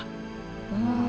うん。